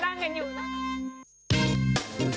อ้าวลืมสวัสดีค่ะ